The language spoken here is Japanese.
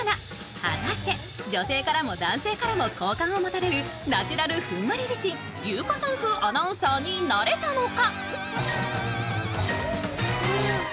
果たして女性からも男性からも好感を持たれるナチュラルふんわり美人、優香さん風アナウンサーになれたのか。